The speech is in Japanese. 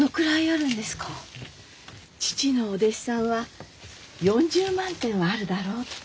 父のお弟子さんは４０万点はあるだろうって。